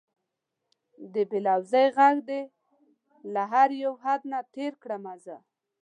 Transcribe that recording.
د بې لوظۍ غږ دې له هر یو حد نه تېر کړمه زه